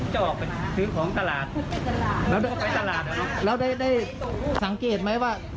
เจ้าออกไปซื้อของตลาด